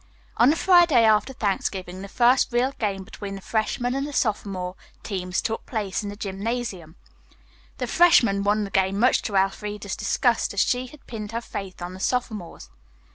On the Friday after Thanksgiving the first real game between the freshmen and the sophomore teams took place in the gymnasium. The freshmen won the game, much to Elfreda's disgust, as she had pinned her faith on the sophomores.